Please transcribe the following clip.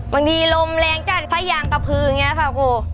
บางทีลมแรงจากพระยางกระพื้นอย่างนี้ค่ะ